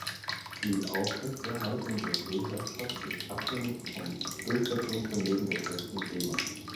Die Aufrechterhaltung der Seeherrschaft ist abhängig vom Durchsetzungsvermögen der stärksten Seemacht.